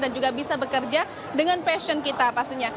dan juga bisa bekerja dengan passion kita pastinya